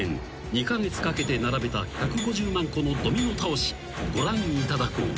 ［２カ月かけて並べた１５０万個のドミノ倒しご覧いただこう］